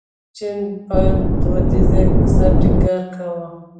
چین په دودیز اقتصاد ټینګار کاوه.